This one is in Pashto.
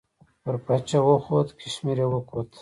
پر پچه وخوت، کشمیر یې وکوت.